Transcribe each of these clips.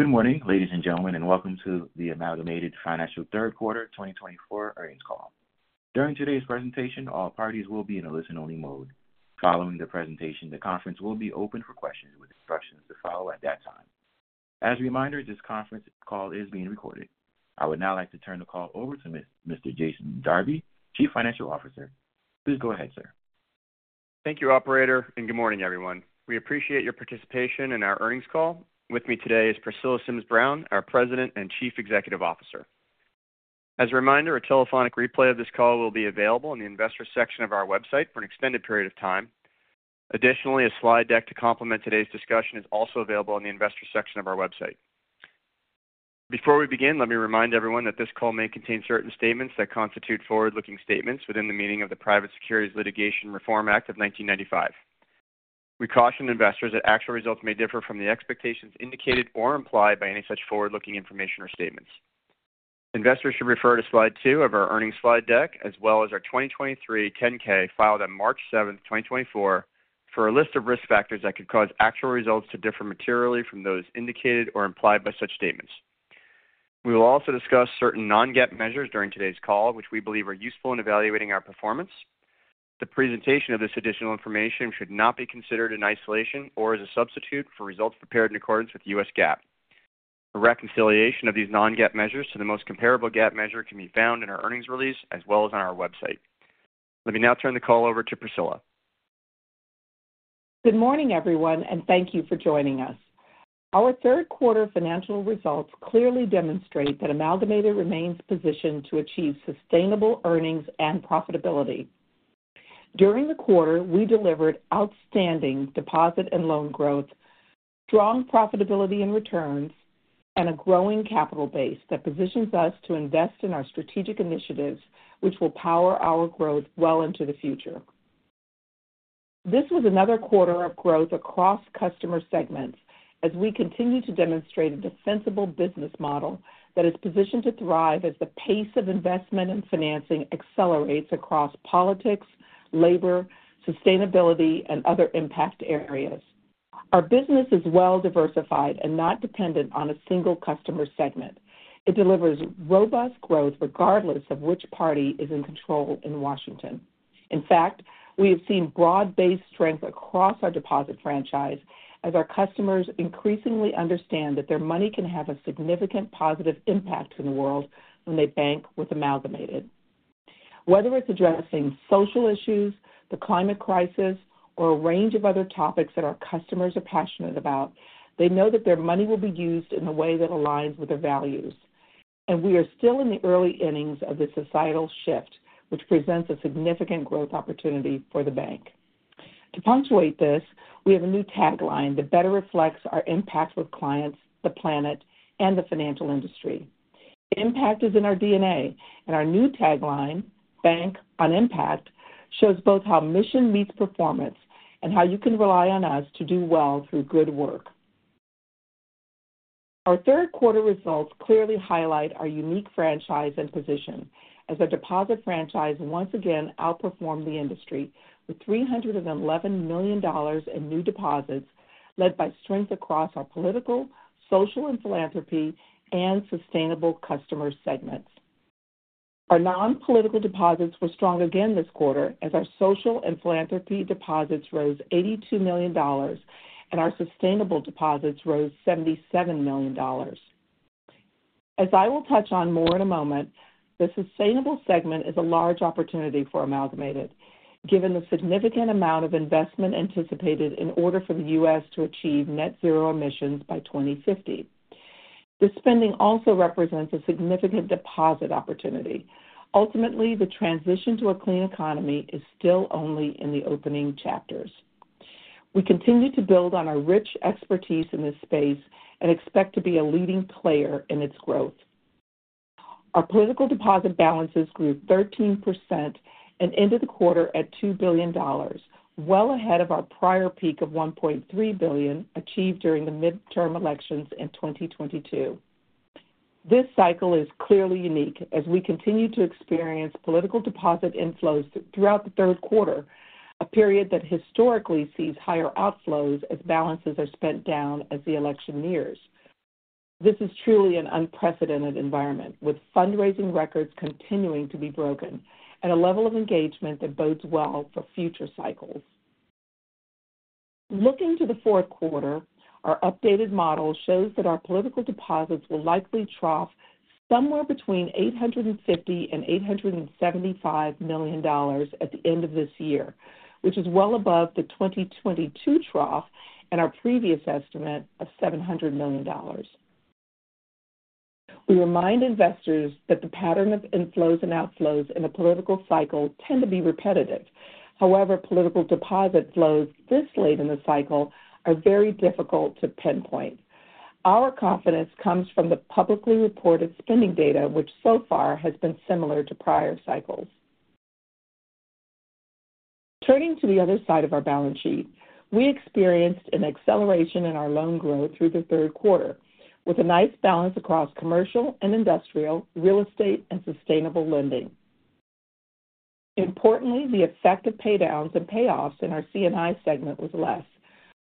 Good morning, ladies and gentlemen, and welcome to the Amalgamated Financial Q3 twenty twenty-four earnings call. During today's presentation, all parties will be in a listen-only mode. Following the presentation, the conference will be open for questions, with instructions to follow at that time. As a reminder, this Conference Call is being recorded. I would now like to turn the call over to Mr. Jason Darby, Chief Financial Officer. Please go ahead, sir. Thank you, operator, and good morning, everyone. We appreciate your participation in our earnings call. With me today is Priscilla Sims Brown, our President and Chief Executive Officer. As a reminder, a telephonic replay of this call will be available in the Investors section of our website for an extended period of time. Additionally, a slide deck to complement today's discussion is also available on the Investors section of our website. Before we begin, let me remind everyone that this call may contain certain statements that constitute forward-looking statements within the meaning of the Private Securities Litigation Reform Act of 1995. We caution investors that actual results may differ from the expectations indicated or implied by any such forward-looking information or statements. Investors should refer to slide two of our earnings slide deck, as well as our 2023 10-K, filed on March seventh, 2024, for a list of risk factors that could cause actual results to differ materially from those indicated or implied by such statements. We will also discuss certain non-GAAP measures during today's call, which we believe are useful in evaluating our performance. The presentation of this additional information should not be considered in isolation or as a substitute for results prepared in accordance with U.S. GAAP. A reconciliation of these non-GAAP measures to the most comparable GAAP measure can be found in our earnings release as well as on our website. Let me now turn the call over to Priscilla. Good morning, everyone, and thank you for joining us. Our Q3 financial results clearly demonstrate that Amalgamated remains positioned to achieve sustainable earnings and profitability. During the quarter, we delivered outstanding deposit and loan growth, strong profitability and returns, and a growing capital base that positions us to invest in our strategic initiatives, which will power our growth well into the future. This was another quarter of growth across customer segments as we continue to demonstrate a defensible business model that is positioned to thrive as the pace of investment and financing accelerates across politics, labor, sustainability, and other impact areas. Our business is well diversified and not dependent on a single customer segment. It delivers robust growth regardless of which party is in control in Washington. In fact, we have seen broad-based strength across our deposit franchise as our customers increasingly understand that their money can have a significant positive impact in the world when they bank with Amalgamated. Whether it's addressing social issues, the climate crisis, or a range of other topics that our customers are passionate about, they know that their money will be used in a way that aligns with their values. And we are still in the early innings of this societal shift, which presents a significant growth opportunity for the bank. To punctuate this, we have a new tagline that better reflects our impact with clients, the planet, and the financial industry. Impact is in our DNA, and our new tagline, "Bank on Impact," shows both how mission meets performance and how you can rely on us to do well through good work. Our Q3 results clearly highlight our unique franchise and position as our deposit franchise once again outperformed the industry with $311 million in new deposits, led by strength across our political, social and philanthropy, and sustainable customer segments. Our non-political deposits were strong again this quarter, as our social and philanthropy deposits rose $82 million and our sustainable deposits rose $77 million. As I will touch on more in a moment, the sustainable segment is a large opportunity for Amalgamated, given the significant amount of investment anticipated in order for the U.S. to achieve net zero emissions by 2050. This spending also represents a significant deposit opportunity. Ultimately, the transition to a clean economy is still only in the opening chapters. We continue to build on our rich expertise in this space and expect to be a leading player in its growth. Our political deposit balances grew 13% and ended the quarter at $2 billion, well ahead of our prior peak of $1.3 billion, achieved during the midterm elections in 2022. This cycle is clearly unique as we continue to experience political deposit inflows throughout the Q3, a period that historically sees higher outflows as balances are spent down as the election nears. This is truly an unprecedented environment, with fundraising records continuing to be broken and a level of engagement that bodes well for future cycles. Looking to the Q4, our updated model shows that our political deposits will likely trough somewhere between $850 million and $875 million at the end of this year, which is well above the 2022 trough and our previous estimate of $700 million. We remind investors that the pattern of inflows and outflows in a political cycle tend to be repetitive. However, political deposit flows this late in the cycle are very difficult to pinpoint. Our confidence comes from the publicly reported spending data, which so far has been similar to prior cycles. Turning to the other side of our balance sheet, we experienced an acceleration in our loan growth through the Q3 with a nice balance across commercial and industrial, real estate, and sustainable lending. Importantly, the effect of paydowns and payoffs in our C&I segment was less,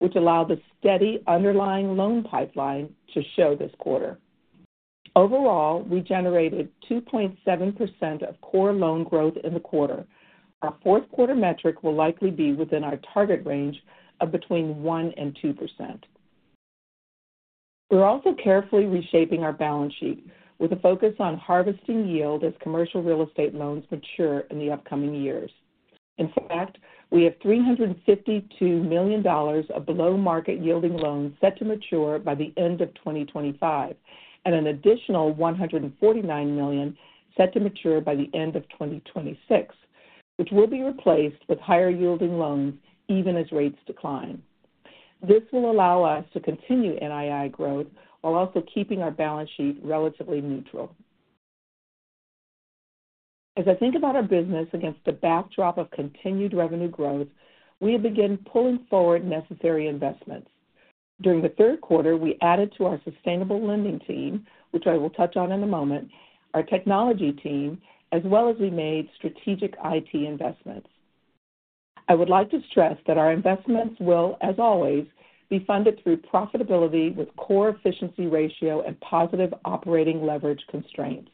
which allowed the steady underlying loan pipeline to show this quarter. Overall, we generated 2.7% of core loan growth in the quarter. Our Q4 metric will likely be within our target range of between 1% and 2%. We're also carefully reshaping our balance sheet with a focus on harvesting yield as commercial real estate loans mature in the upcoming years. In fact, we have $352 million of below-market yielding loans set to mature by the end of 2025, and an additional $149 million set to mature by the end of 2026, which will be replaced with higher-yielding loans even as rates decline. This will allow us to continue NII growth while also keeping our balance sheet relatively neutral. As I think about our business against the backdrop of continued revenue growth, we have begun pulling forward necessary investments. During the Q3, we added to our sustainable lending team, which I will touch on in a moment, our technology team, as well as we made strategic IT investments. I would like to stress that our investments will, as always, be funded through profitability with core efficiency ratio and positive operating leverage constraints.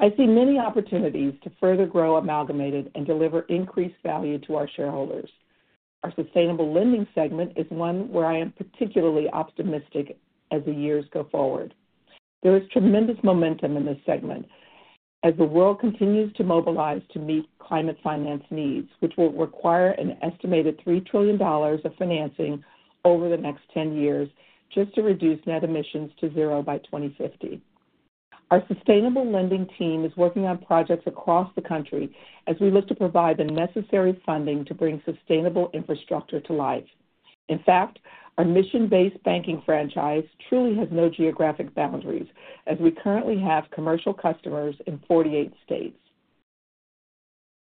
I see many opportunities to further grow Amalgamated and deliver increased value to our shareholders. Our sustainable lending segment is one where I am particularly optimistic as the years go forward. There is tremendous momentum in this segment as the world continues to mobilize to meet climate finance needs, which will require an estimated $3 trillion of financing over the next 10 years just to reduce net emissions to zero by 2050. Our sustainable lending team is working on projects across the country as we look to provide the necessary funding to bring sustainable infrastructure to life. In fact, our mission-based banking franchise truly has no geographic boundaries, as we currently have commercial customers in 48 states.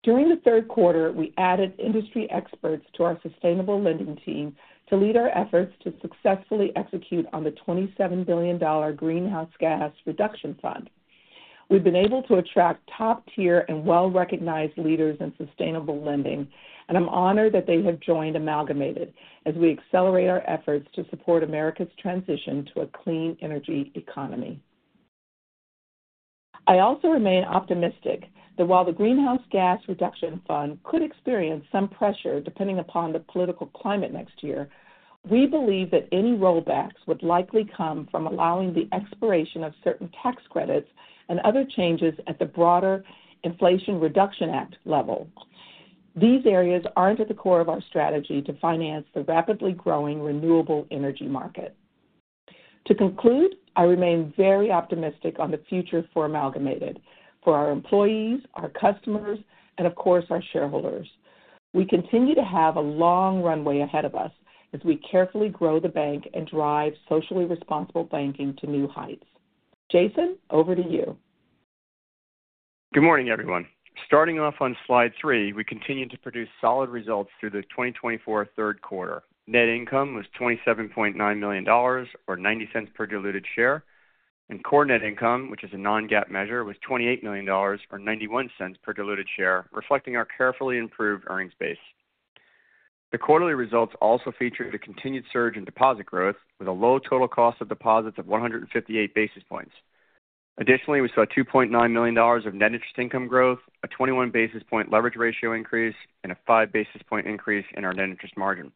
During the Q3, we added industry experts to our sustainable lending team to lead our efforts to successfully execute on the $27 billion Greenhouse Gas Reduction Fund. We've been able to attract top-tier and well-recognized leaders in sustainable lending, and I'm honored that they have joined Amalgamated as we accelerate our efforts to support America's transition to a clean energy economy. I also remain optimistic that while the Greenhouse Gas Reduction Fund could experience some pressure, depending upon the political climate next year, we believe that any rollbacks would likely come from allowing the expiration of certain tax credits and other changes at the broader Inflation Reduction Act level. These areas aren't at the core of our strategy to finance the rapidly growing renewable energy market. To conclude, I remain very optimistic on the future for Amalgamated, for our employees, our customers, and of course, our shareholders. We continue to have a long runway ahead of us as we carefully grow the bank and drive socially responsible banking to new heights. Jason, over to you. Good morning, everyone. Starting off on slide three, we continued to produce solid results through the 2024 Q3. Net income was $27.9 million, or $0.90 per diluted share, and core net income, which is a non-GAAP measure, was $28 million, or $0.91 per diluted share, reflecting our carefully improved earnings base. The quarterly results also featured a continued surge in deposit growth, with a low total cost of deposits of 158 basis points. Additionally, we saw $2.9 million of net interest income growth, a 21 basis point leverage ratio increase, and a 5 basis point increase in our net interest margin.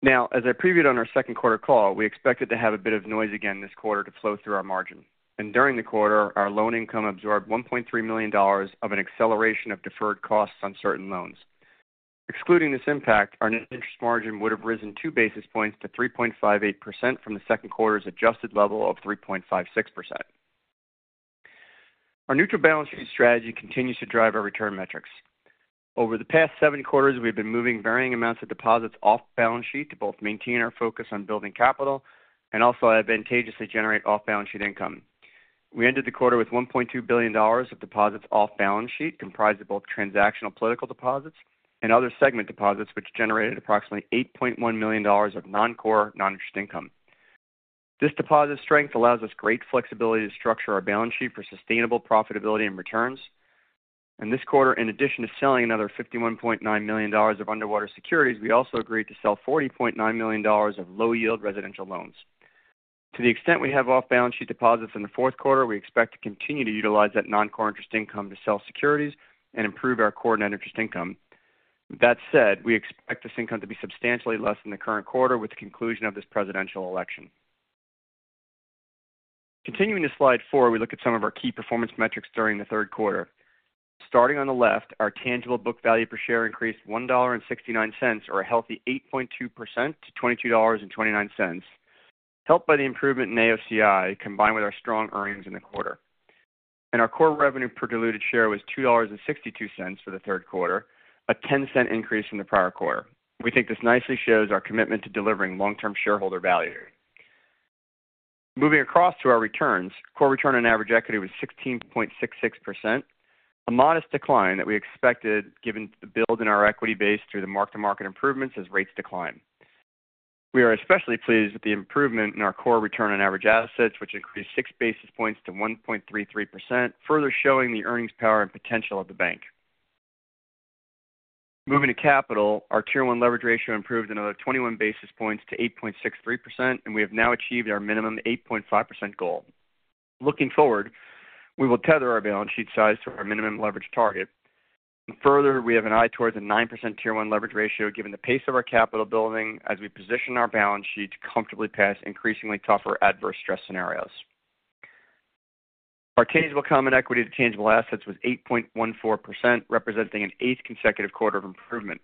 Now, as I previewed on our Q2 call, we expected to have a bit of noise again this quarter to flow through our margin, and during the quarter, our loan income absorbed $1.3 million of an acceleration of deferred costs on certain loans. Excluding this impact, our net interest margin would have risen two basis points to 3.58% from the Q2's adjusted level of 3.56%. Our neutral balance sheet strategy continues to drive our return metrics. Over the past seven quarters, we've been moving varying amounts of deposits off-balance-sheet to both maintain our focus on building capital and also advantageously generate off-balance-sheet income. We ended the quarter with $1.2 billion of deposits off balance sheet, comprised of both transactional political deposits and other segment deposits, which generated approximately $8.1 million of non-core non-interest income. This deposit strength allows us great flexibility to structure our balance sheet for sustainable profitability and returns, and this quarter, in addition to selling another $51.9 million of underwater securities, we also agreed to sell $40.9 million of low-yield residential loans. To the extent we have off-balance sheet deposits in the Q4, we expect to continue to utilize that non-core interest income to sell securities and improve our core net interest income. That said, we expect this income to be substantially less than the current quarter with the conclusion of this presidential election. Continuing to slide four, we look at some of our key performance metrics during the Q3. Starting on the left, our tangible book value per share increased $1.69, or a healthy 8.2% to $22.29, helped by the improvement in AOCI, combined with our strong earnings in the quarter, and our core revenue per diluted share was $2.62 for the Q3, a $0.10 increase from the prior quarter. We think this nicely shows our commitment to delivering long-term shareholder value. Moving across to our returns, core return on average equity was 16.66%, a modest decline that we expected given the build in our equity base through the mark-to-market improvements as rates decline. We are especially pleased with the improvement in our core return on average assets, which increased six basis points to 1.33%, further showing the earnings power and potential of the bank. Moving to capital, our Tier 1 Leverage Ratio improved another 21 basis points to 8.63%, and we have now achieved our minimum 8.5% goal. Looking forward, we will tether our balance sheet size to our minimum leverage target. Further, we have an eye toward a 9% Tier 1 Leverage Ratio, given the pace of our capital building as we position our balance sheet to comfortably pass increasingly tougher adverse stress scenarios. Our tangible common equity to tangible assets was 8.14%, representing an eighth consecutive quarter of improvement,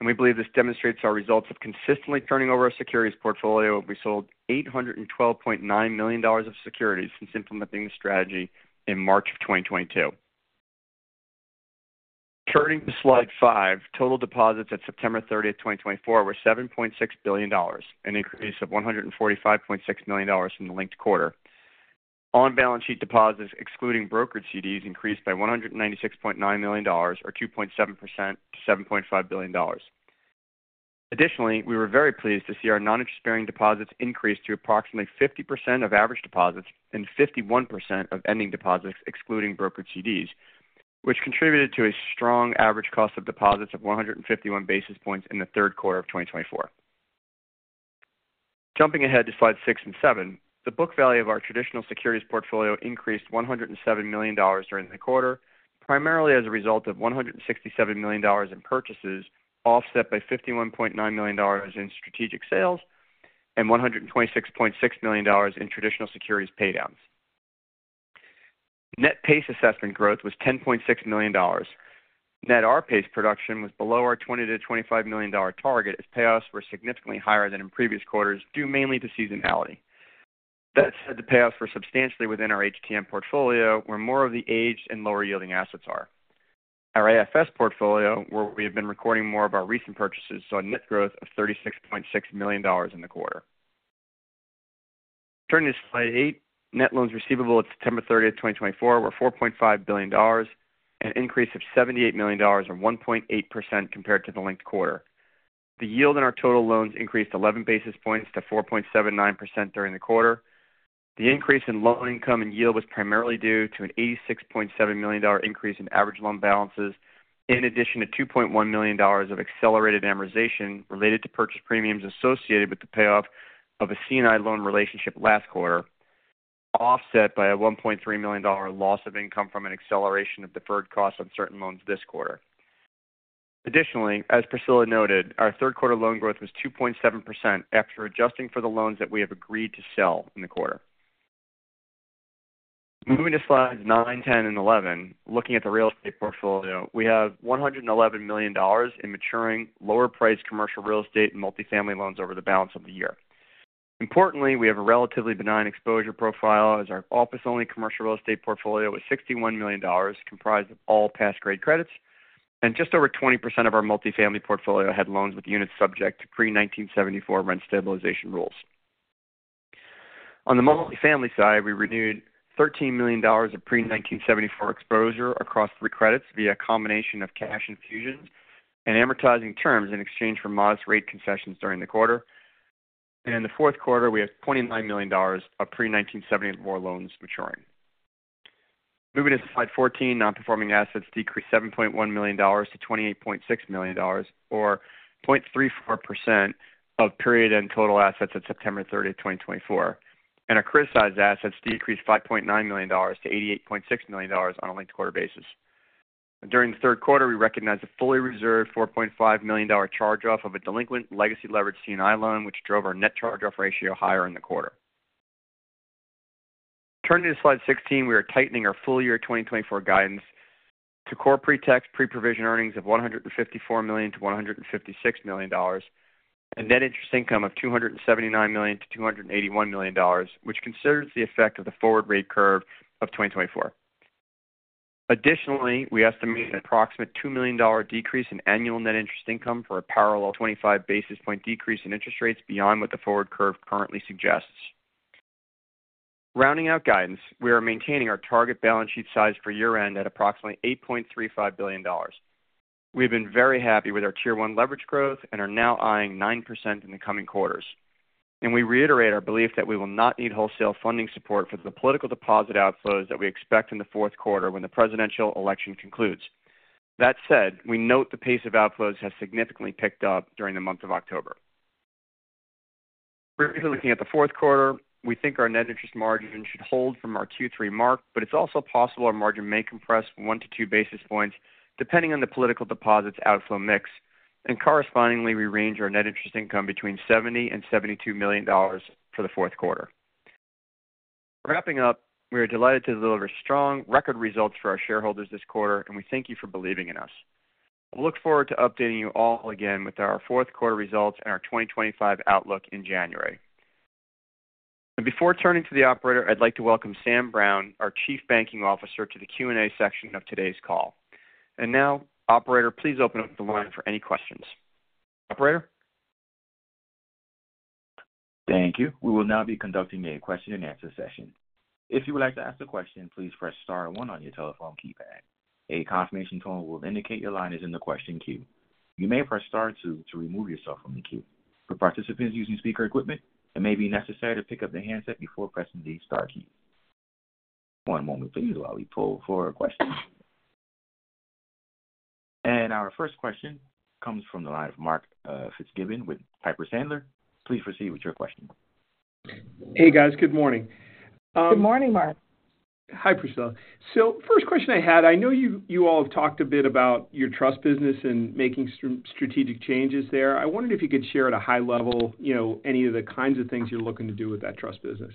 and we believe this demonstrates our results of consistently turning over our securities portfolio. We sold $812.9 million of securities since implementing the strategy in March 2022. Turning to Slide 5, total deposits at September 30th, 2024, were $7.6 billion, an increase of $145.6 million from the linked quarter. On-balance sheet deposits, excluding brokered CDs, increased by $196.9 million, or 2.7% to $7.5 billion. Additionally, we were very pleased to see our non-interest-bearing deposits increase to approximately 50% of average deposits and 51% of ending deposits, excluding brokered CDs, which contributed to a strong average cost of deposits of one hundred and fifty-one basis points in the Q3 of 2024. Jumping ahead to slides six and seven, the book value of our traditional securities portfolio increased $107 million during the quarter, primarily as a result of $167 million in purchases, offset by $51.9 million in strategic sales and $126.6 million in traditional securities paydowns. Net PACE assessment growth was $10.6 million. Net R-PACE production was below our $20-$25 million target, as payoffs were significantly higher than in previous quarters, due mainly to seasonality. That said, the payoffs were substantially within our HTM portfolio, where more of the aged and lower-yielding assets are. Our AFS portfolio, where we have been recording more of our recent purchases, saw a net growth of $36.6 million in the quarter. Turning to Slide 8, net loans receivable at September thirtieth, 2024, were $4.5 billion, an increase of $78 million, or 1.8% compared to the linked quarter. The yield on our total loans increased eleven basis points to 4.79% during the quarter. The increase in loan income and yield was primarily due to an $86.7 million increase in average loan balances, in addition to $2.1 million of accelerated amortization related to purchase premiums associated with the payoff of a C&I loan relationship last quarter, offset by a $1.3 million loss of income from an acceleration of deferred costs on certain loans this quarter. Additionally, as Priscilla noted, our Q3 loan growth was 2.7% after adjusting for the loans that we have agreed to sell in the quarter. Moving to slides 9, 10, and 11, looking at the real estate portfolio, we have $111 million in maturing lower-priced commercial real estate and multifamily loans over the balance of the year. Importantly, we have a relatively benign exposure profile, as our office-only commercial real estate portfolio was $61 million, comprised of all pass-grade credits, and just over 20% of our multifamily portfolio had loans with units subject to pre-1974 rent stabilization rules. On the multifamily side, we renewed $13 million of pre-1974 exposure across three credits via a combination of cash infusions and amortizing terms in exchange for modest rate concessions during the quarter, and in the Q4, we have $29 million of pre-1974 loans maturing. Moving to Slide 14, nonperforming assets decreased $7.1 million to $28.6 million, or 0.34% of period-end total assets at September 30, 2024, and our criticized assets decreased $5.9 million to $88.6 million on a linked-quarter basis. During the Q3, we recognized a fully reserved $4.5 million charge-off of a delinquent legacy leveraged C&I loan, which drove our net charge-off ratio higher in the quarter. Turning to Slide 16, we are tightening our full year 2024 guidance to core pre-tax, pre-provision earnings of $154 million-$156 million, and net interest income of $279 million-$281 million, which considers the effect of the forward rate curve of 2024. Additionally, we estimate an approximate $2 million decrease in annual net interest income for a parallel 25 basis point decrease in interest rates beyond what the forward curve currently suggests. Rounding out guidance, we are maintaining our target balance sheet size for year-end at approximately $8.35 billion. We've been very happy with our Tier 1 leverage growth and are now eyeing 9% in the coming quarters. We reiterate our belief that we will not need wholesale funding support for the political deposit outflows that we expect in the Q4 when the presidential election concludes. That said, we note the pace of outflows has significantly picked up during the month of October. Briefly looking at the Q4, we think our net interest margin should hold from our Q3 mark, but it's also possible our margin may compress one to two basis points, depending on the political deposits outflow mix, and correspondingly, we range our net interest income between $70 million and $72 million for the Q4. Wrapping up, we are delighted to deliver strong record results for our shareholders this quarter, and we thank you for believing in us. We look forward to updating you all again with our Q4 results and our twenty twenty-five outlook in January. Before turning to the operator, I'd like to welcome Sam Brown, our Chief Banking Officer, to the Q&A section of today's call. Now, operator, please open up the line for any questions. Operator? ...Thank you. We will now be conducting a question-and-answer session. If you would like to ask a question, please press star one on your telephone keypad. A confirmation tone will indicate your line is in the question queue. You may press star two to remove yourself from the queue. For participants using speaker equipment, it may be necessary to pick up the handset before pressing the star key. One moment please, while we pull for a question. And our first question comes from the line of Mark Fitzgibbon with Piper Sandler. Please proceed with your question. Hey, guys. Good morning. Good morning, Mark. Hi, Priscilla. So first question I had, I know you all have talked a bit about your trust business and making strategic changes there. I wondered if you could share at a high level, you know, any of the kinds of things you're looking to do with that trust business?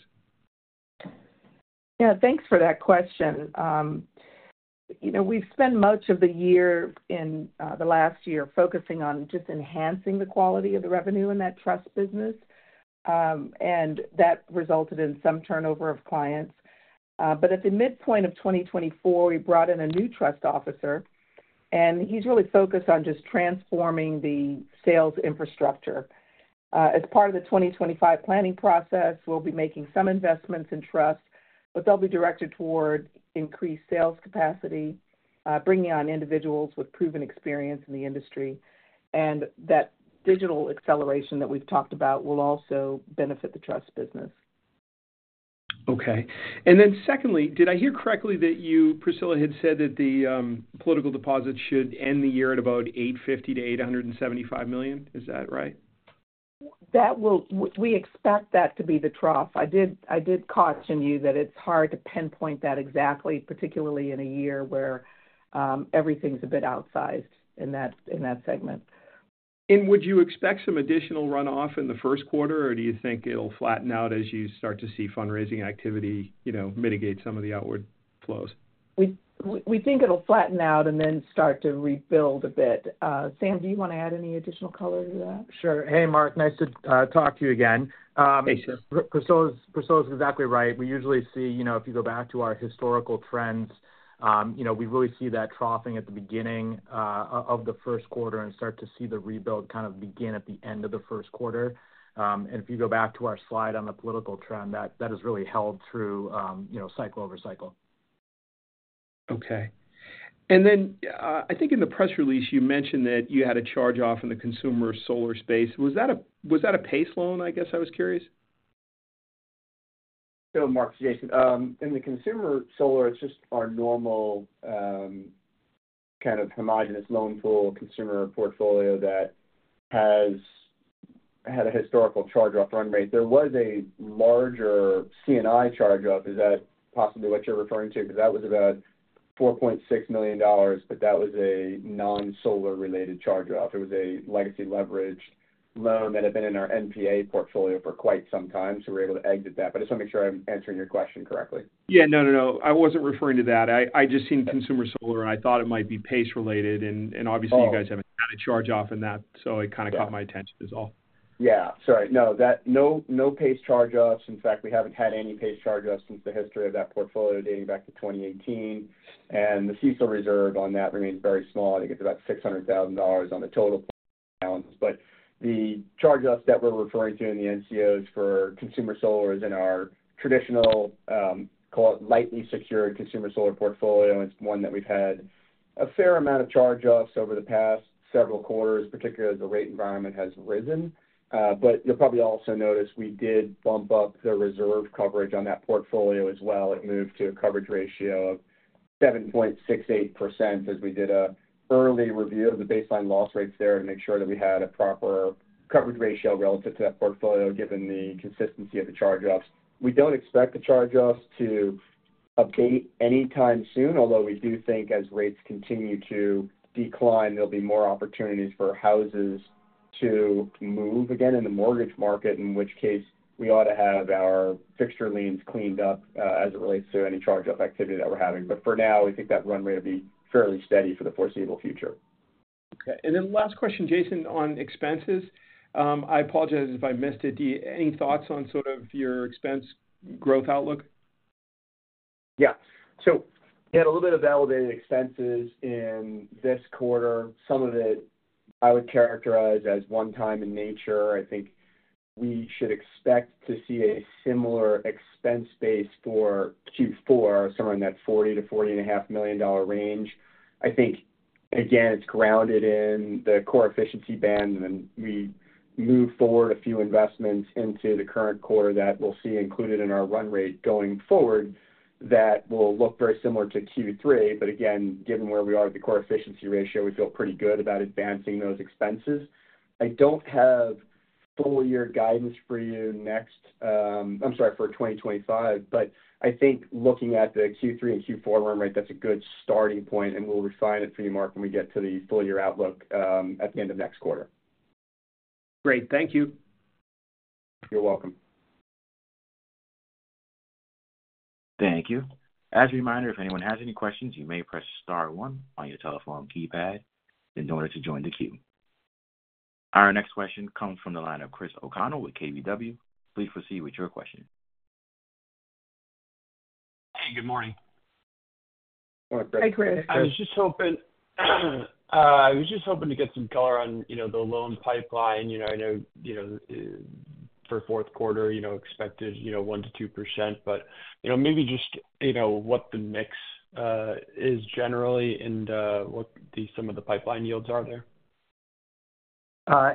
Yeah, thanks for that question. You know, we've spent much of the year in the last year focusing on just enhancing the quality of the revenue in that trust business, and that resulted in some turnover of clients. But at the midpoint of 2024, we brought in a new trust officer, and he's really focused on just transforming the sales infrastructure. As part of the 2025 planning process, we'll be making some investments in trust, but they'll be directed toward increased sales capacity, bringing on individuals with proven experience in the industry. And that digital acceleration that we've talked about will also benefit the trust business. Okay. And then secondly, did I hear correctly that you, Priscilla, had said that the political deposits should end the year at about $850 million-$875 million? Is that right? That will. We expect that to be the trough. I did, I did caution you that it's hard to pinpoint that exactly, particularly in a year where everything's a bit outsized in that, in that segment. Would you expect some additional runoff in the Q1, or do you think it'll flatten out as you start to see fundraising activity, you know, mitigate some of the outflows? We think it'll flatten out and then start to rebuild a bit. Sam, do you want to add any additional color to that? Sure. Hey, Mark, nice to talk to you again. Thanks. Priscilla's exactly right. We usually see, you know, if you go back to our historical trends, you know, we really see that troughing at the beginning of the Q1 and start to see the rebuild kind of begin at the end of the Q1. And if you go back to our slide on the political trend, that has really held through, you know, cycle over cycle. Okay. And then, I think in the press release, you mentioned that you had a charge-off in the consumer solar space. Was that a PACE loan, I guess I was curious? So, Mark, Jason. In the consumer solar, it's just our normal, kind of homogenous loan pool consumer portfolio that has had a historical charge-off run rate. There was a larger C&I charge-off. Is that possibly what you're referring to? Because that was about $4.6 million, but that was a non-solar-related charge-off. It was a legacy leverage loan that had been in our NPA portfolio for quite some time, so we were able to exit that. But I just want to make sure I'm answering your question correctly. Yeah. No, no, no, I wasn't referring to that. I, I just seen consumer solar, and I thought it might be PACE related. Oh. Obviously, you guys haven't had a charge-off in that, so it kind of caught my attention, is all. No, no PACE charge-offs. In fact, we haven't had any PACE charge-offs since the history of that portfolio, dating back to 2018. And the CECL reserve on that remains very small. I think it's about $600,000 on the total balance. But the charge-offs that we're referring to in the NCOs for consumer solar is in our traditional, call it, lightly secured consumer solar portfolio. It's one that we've had a fair amount of charge-offs over the past several quarters, particularly as the rate environment has risen. But you'll probably also notice we did bump up the reserve coverage on that portfolio as well. It moved to a coverage ratio of 7.68%, as we did an early review of the baseline loss rates there and make sure that we had a proper coverage ratio relative to that portfolio, given the consistency of the charge-offs. We don't expect the charge-offs to abate anytime soon, although we do think as rates continue to decline, there'll be more opportunities for houses to move again in the mortgage market, in which case we ought to have our fixture liens cleaned up, as it relates to any charge-off activity that we're having. But for now, we think that run rate will be fairly steady for the foreseeable future. Okay, and then last question, Jason, on expenses. I apologize if I missed it. Do you have any thoughts on sort of your expense growth outlook? Yeah. So we had a little bit of elevated expenses in this quarter. Some of it I would characterize as one-time in nature. I think we should expect to see a similar expense base for Q4, somewhere in that $40-$40.5 million dollar range. I think, again, it's grounded in the core efficiency band, and then we moved forward a few investments into the current quarter that we'll see included in our run rate going forward. That will look very similar to Q3, but again, given where we are with the core efficiency ratio, we feel pretty good about advancing those expenses.I don't have full year guidance for you next. I'm sorry, for 2025, but I think looking at the Q3 and Q4 run rate, that's a good starting point, and we'll refine it for you, Mark, when we get to the full year outlook, at the end of next quarter. Great. Thank you. You're welcome. Thank you. As a reminder, if anyone has any questions, you may press star one on your telephone keypad in order to join the queue. Our next question comes from the line of Chris O'Connell with KBW. Please proceed with your question. Good morning. Hi, Chris. I was just hoping to get some color on, you know, the loan pipeline. You know, I know, you know, for Q4, you know, expected, you know, 1%-2%. But, you know, maybe just, you know, what the mix is generally and, what some of the pipeline yields are there.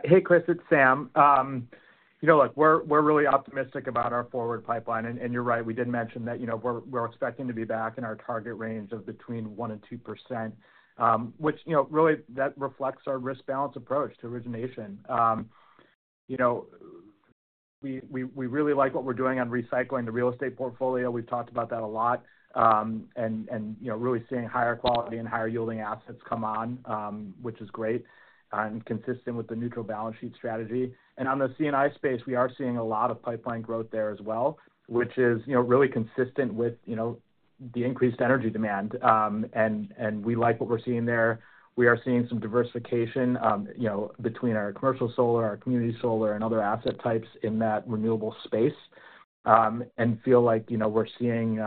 Hey, Chris, it's Sam. You know, look, we're really optimistic about our forward pipeline. And you're right, we did mention that, you know, we're expecting to be back in our target range of between 1% and 2%. Which, you know, really that reflects our risk balance approach to origination. You know, we really like what we're doing on recycling the real estate portfolio. We've talked about that a lot, and you know, really seeing higher quality and higher yielding assets come on, which is great and consistent with the neutral balance sheet strategy. And on the C&I space, we are seeing a lot of pipeline growth there as well, which is, you know, really consistent with, you know, the increased energy demand. And we like what we're seeing there. We are seeing some diversification, you know, between our commercial solar, our community solar, and other asset types in that renewable space, and feel like, you know, we're seeing, you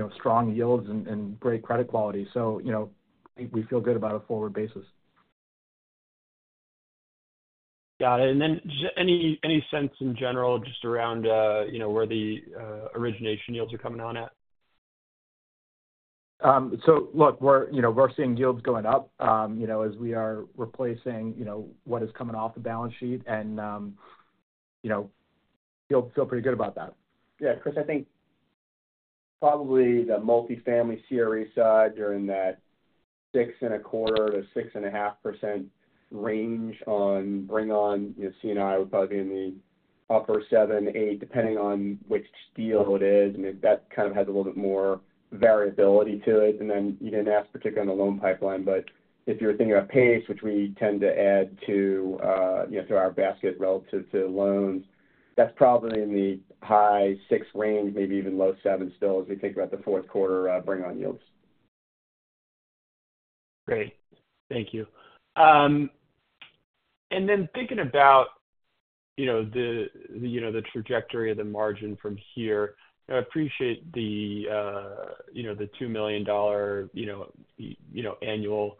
know, strong yields and great credit quality. So, you know, I think we feel good about a forward basis. Got it. And then any sense in general, just around, you know, where the origination yields are coming on at? So look, we're, you know, we're seeing yields going up, you know, as we are replacing, you know, what is coming off the balance sheet. And, you know, feel pretty good about that. Yeah, Chris, I think probably the multifamily CRE side during that 6.25%-6.5% range on bring on, you know, C&I would probably be in the upper 7-8, depending on which deal it is. I mean, that kind of has a little bit more variability to it. And then you didn't ask particularly on the loan pipeline, but if you're thinking about PACE, which we tend to add to, you know, to our basket relative to loans, that's probably in the high 6% range, maybe even low 7% still, as we think about the Q4 bring on yields. Great. Thank you. And then thinking about, you know, the trajectory of the margin from here, I appreciate the, you know, the $2 million, you know, annual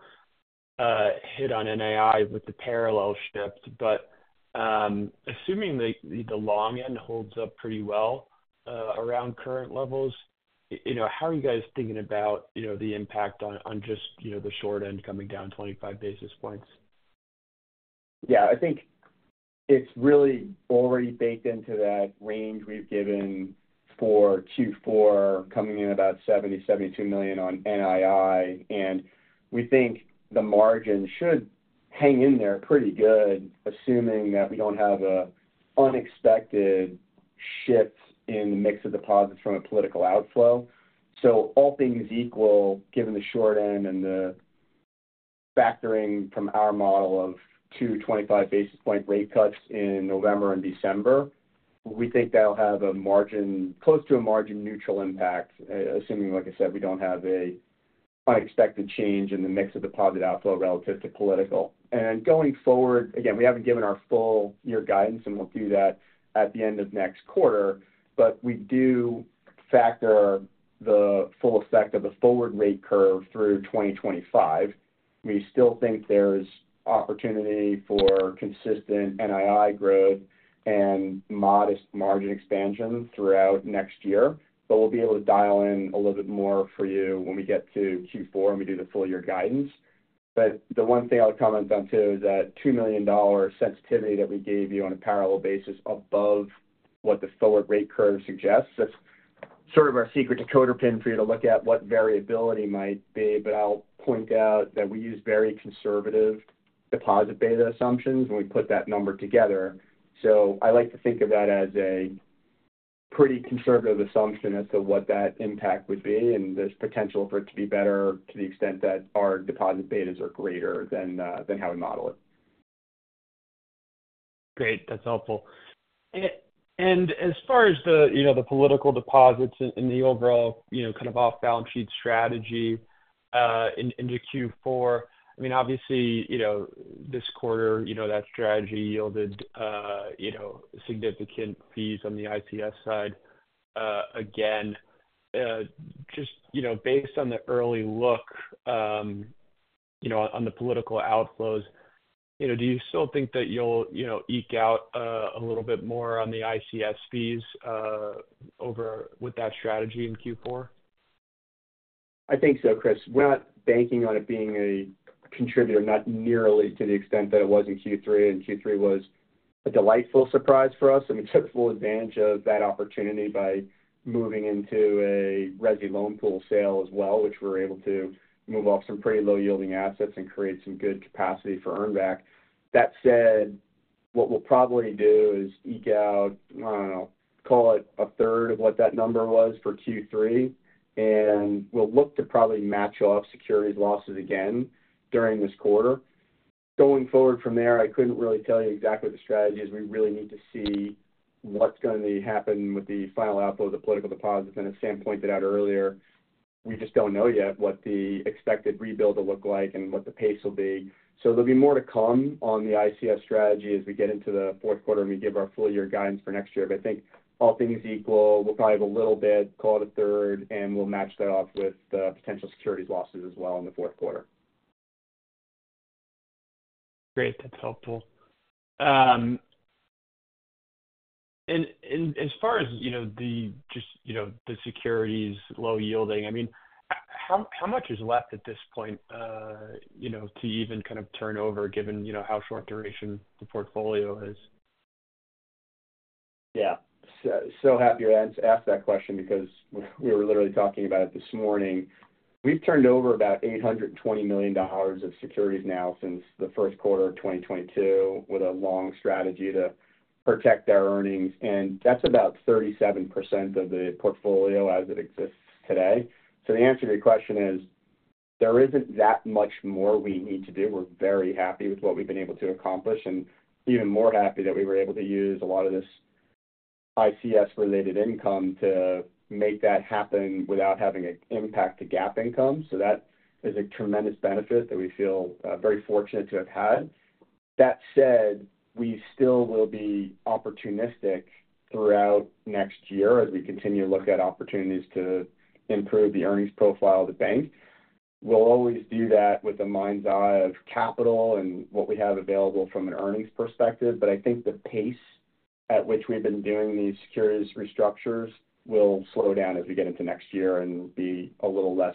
hit on NII with the parallel shift. But, assuming the long end holds up pretty well, around current levels, you know, how are you guys thinking about, you know, the impact on, on just, you know, the short end coming down twenty-five basis points? Yeah, I think it's really already baked into that range we've given for Q4, coming in about $70-$72 million on NII. And we think the margin should hang in there pretty good, assuming that we don't have an unexpected shift in the mix of deposits from a political outflow. So all things equal, given the short end and the factoring from our model of two 25 basis point rate cuts in November and December, we think that'll have a margin, close to a margin neutral impact, assuming, like I said, we don't have an unexpected change in the mix of deposit outflow relative to political. And going forward, again, we haven't given our full year guidance, and we'll do that at the end of next quarter, but we do factor the full effect of the forward rate curve through 2025. We still think there's opportunity for consistent NII growth and modest margin expansion throughout next year, but we'll be able to dial in a little bit more for you when we get to Q4 and we do the full year guidance, but the one thing I would comment on, too, is that $2 million sensitivity that we gave you on a parallel basis above what the forward rate curve suggests, that's sort of our secret decoder ring for you to look at what variability might be, but I'll point out that we use very conservative deposit beta assumptions when we put that number together, so I like to think of that as a pretty conservative assumption as to what that impact would be, and there's potential for it to be better to the extent that our deposit betas are greater than than how we model it. Great, that's helpful and as far as you know the political deposits and the overall you know kind of off-balance sheet strategy into Q4. I mean, obviously, you know, this quarter, you know, that strategy yielded you know significant fees on the ICS side. Again, just you know based on the early look you know on the political outflows, you know, do you still think that you'll you know eke out a little bit more on the ICS fees over with that strategy in Q4? I think so, Chris. We're not banking on it being a contributor, not nearly to the extent that it was in Q3, and Q3 was a delightful surprise for us, and we took full advantage of that opportunity by moving into a resi loan pool sale as well, which we were able to move off some pretty low yielding assets and create some good capacity for earn back. That said, what we'll probably do is eke out, I don't know, call it a third of what that number was for Q3, and we'll look to probably match off securities losses again during this quarter. Going forward from there, I couldn't really tell you exactly what the strategy is. We really need to see what's going to happen with the final outflow of the political deposits. And as Sam pointed out earlier, we just don't know yet what the expected rebuild will look like and what the pace will be. So there'll be more to come on the ICS strategy as we get into the Q4, and we give our full year guidance for next year. But I think all things equal, we'll probably have a little bit, call it a third, and we'll match that off with the potential securities losses as well in the Q4.... Great, that's helpful. And as far as, you know, the securities low-yielding, I mean, how much is left at this point, you know, to even kind of turn over, given, you know, how short duration the portfolio is? Yeah. So happy you asked that question because we were literally talking about it this morning. We've turned over about $820 million of securities now since the Q1 of 2022, with a long strategy to protect our earnings, and that's about 37% of the portfolio as it exists today. So the answer to your question is, there isn't that much more we need to do. We're very happy with what we've been able to accomplish, and even more happy that we were able to use a lot of this ICS-related income to make that happen without having an impact to GAAP income. So that is a tremendous benefit that we feel very fortunate to have had. That said, we still will be opportunistic throughout next year as we continue to look at opportunities to improve the earnings profile of the bank. We'll always do that with a mind's eye of capital and what we have available from an earnings perspective, but I think the pace at which we've been doing these securities restructures will slow down as we get into next year and be a little less,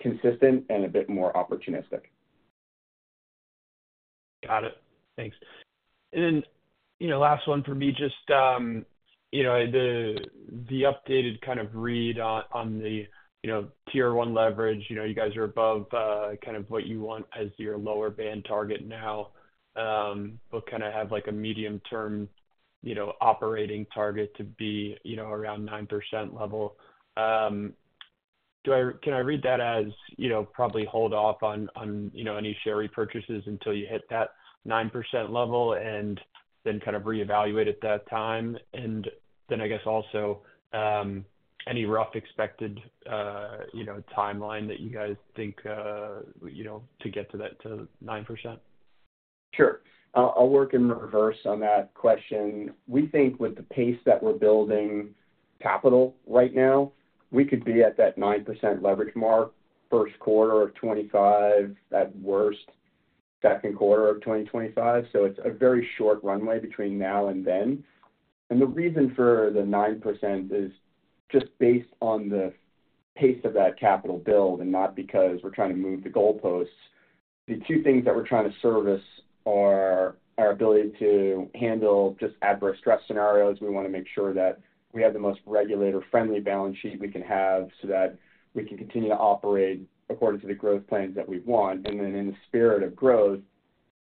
consistent and a bit more opportunistic. Got it. Thanks. And then, you know, last one for me, just, you know, the updated kind of read on the, you know, Tier 1 leverage. You know, you guys are above kind of what you want as your lower band target now, but kind of have, like, a medium-term, you know, operating target to be, you know, around 9% level. Do I, can I read that as, you know, probably hold off on, you know, any share repurchases until you hit that 9% level and then kind of reevaluate at that time? And then I guess also, any rough expected, you know, timeline that you guys think, you know, to get to that 9%? Sure. I'll work in reverse on that question. We think with the pace that we're building capital right now, we could be at that 9% leverage mark Q1 of 2025, at worst, Q2 of 2025. So it's a very short runway between now and then. And the reason for the 9% is just based on the pace of that capital build and not because we're trying to move the goalposts. The two things that we're trying to service are our ability to handle just adverse stress scenarios. We want to make sure that we have the most regulator-friendly balance sheet we can have, so that we can continue to operate according to the growth plans that we want. And then in the spirit of growth,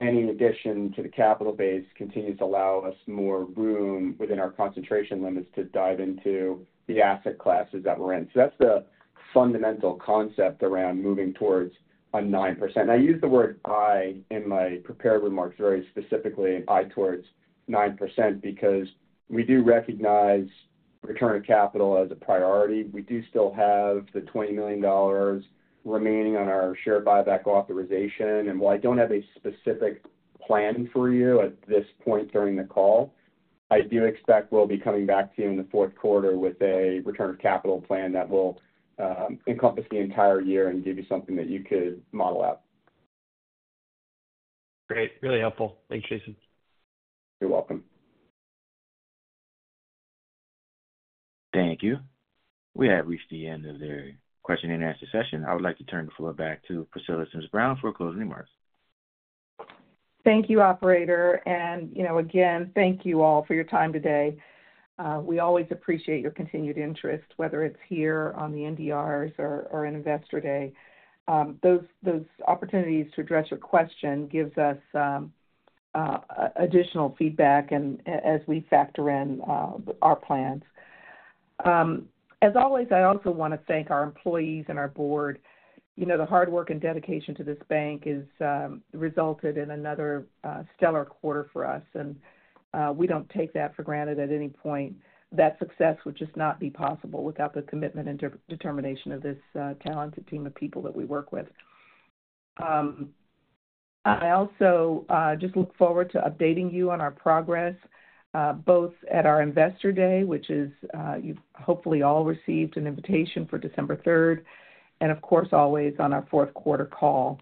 any addition to the capital base continues to allow us more room within our concentration limits to dive into the asset classes that we're in. So that's the fundamental concept around moving towards a 9%. I used the word eye in my prepared remarks very specifically, an eye towards 9%, because we do recognize return of capital as a priority. We do still have the $20 million remaining on our share buyback authorization. And while I don't have a specific plan for you at this point during the call, I do expect we'll be coming back to you in the Q4 with a return of capital plan that will encompass the entire year and give you something that you could model out. Great. Really helpful. Thanks, Jason. You're welcome. Thank you. We have reached the end of the question and answer session. I would like to turn the floor back to Priscilla Sims Brown for closing remarks. Thank you, operator, and you know, again, thank you all for your time today. We always appreciate your continued interest, whether it's here on the NDRs or in Investor Day. Those opportunities to address your question gives us additional feedback and as we factor in our plans. As always, I also want to thank our employees and our board. You know, the hard work and dedication to this bank is resulted in another stellar quarter for us, and we don't take that for granted at any point. That success would just not be possible without the commitment and determination of this talented team of people that we work with. I also just look forward to updating you on our progress both at our Investor Day, which is you've hopefully all received an invitation for December third, and of course always on our Q4 call.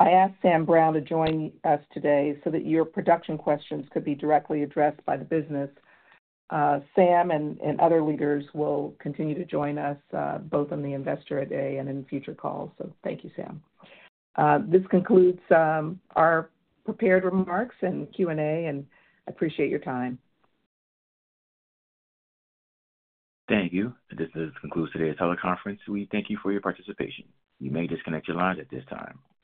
I asked Sam Brown to join us today so that your production questions could be directly addressed by the business. Sam and other leaders will continue to join us both on the Investor Day and in future calls. So thank you, Sam. This concludes our prepared remarks and Q&A, and I appreciate your time. Thank you. This does conclude today's teleconference. We thank you for your participation. You may disconnect your lines at this time.